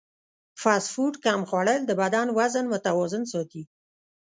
فاسټ فوډ کم خوړل د بدن وزن متوازن ساتي.